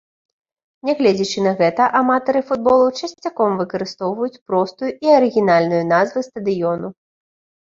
Нягледзячы на гэта, аматары футболу часцяком выкарыстоўваюць простую і арыгінальную назву стадыёну.